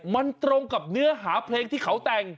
มันตรงกับเนื้อหาเพลงที่เขาแต่ง